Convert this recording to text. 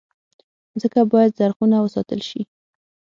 مځکه باید زرغونه وساتل شي.